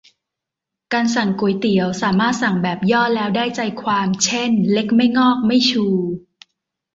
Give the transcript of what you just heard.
การสั่งก๋วยเตี๋ยว สามารถสั่งแบบย่อแล้วได้ใจความ เช่นเล็กไม่งอกไม่ชู